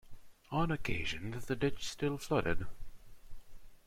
On occasions the ditch still flooded.